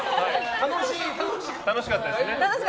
楽しかったですか？